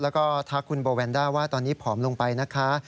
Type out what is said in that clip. แล้วก็ทักคุณโบแวนด้าว่าตอนนี้ผอมลงไปนะคะ